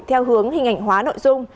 theo hướng hình ảnh hóa nội dung